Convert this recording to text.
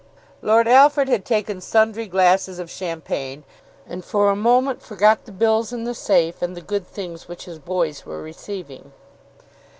Lord Alfred had taken sundry glasses of champagne, and for a moment forgot the bills in the safe, and the good things which his boys were receiving.